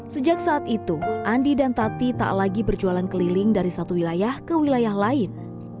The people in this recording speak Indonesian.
sejak saat itu andi dan tati tak lagi berjualan keliling dari satu wilayah ke wilayah lain